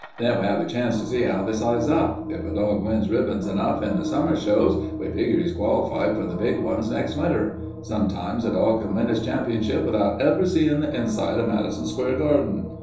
Then we 'ave a chance to see 'ow they size up. If a dog wins ribbons enough in the summer shows we figure he's qualified for the big ones next winter. Sometimes a dog can win his championship without ever seeing the inside of Madison Square Garden.